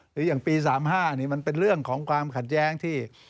หรืออย่างปี๓๕นี่มันเป็นเรื่องของความขัดแย้งที่